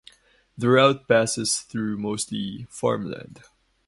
The route passes through mostly farmland.